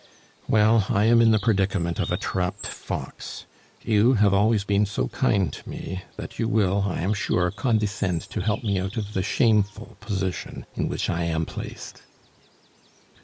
"Well, I am in the predicament of a trapped fox. You have always been so kind to me, that you will, I am sure, condescend to help me out of the shameful position in which I am placed."